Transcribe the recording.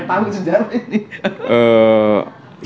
yang tahu sejarah ini